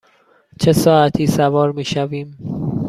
چه ساعتی سوار می شویم؟